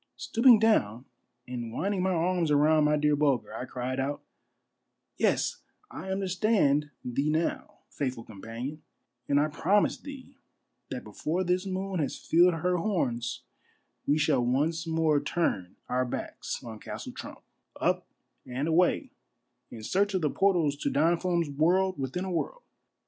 Stooping down and winding my arms around my dear Bulger, I cried out, —" Yes, I understand thee now, faithful companion ; and I promise thee that before this moon has filled her horns we shall once more turn our backs on Castle Trump, up and away in search of the portals to Don Fum's World within a World."